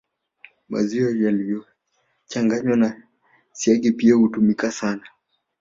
Maziwa yaliyochanganywa na siagi pia hutumika sana